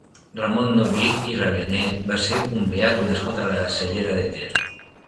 Ramon Novich i Rabionet va ser un beat nascut a la Cellera de Ter.